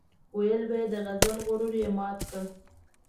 ويل به يې د غزل غرور یې مات کړ.